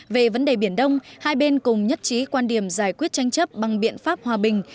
về vấn đề biển đông hai bên cùng nhất trí quan điểm giải quyết tranh chấp bằng biện pháp hòa bình